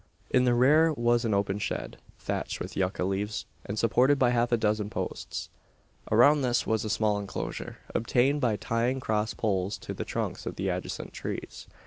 In the rear was an open shed, thatched with yucca leaves, and supported by half a dozen posts. Around this was a small enclosure, obtained by tying cross poles to the trunks of the adjacent trees.